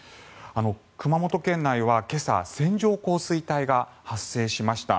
熊本県内は今朝線状降水帯が発生しました。